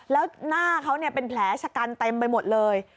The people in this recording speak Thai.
แล้วหน้าเขาเป็นแผลชะกันเต็มไปหมดเลย